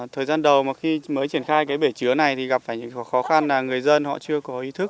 thời gian đầu mà khi mới triển khai cái bể chứa này thì gặp phải những khó khăn là người dân họ chưa có ý thức